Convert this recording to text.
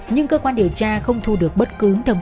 nhưng cơ quan điều tra không thu được bất cứ thông tin